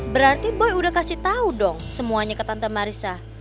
berarti boy udah kasih tau dong semuanya ke tante marisa